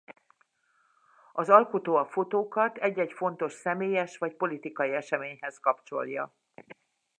Az alkotó a fotókat egy-egy fontos személyes vagy politikai eseményhez kapcsolja.